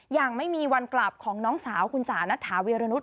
ยังไม่มีวันกลับของน้องสาวคุณจ๋านัทถาวีรนุษ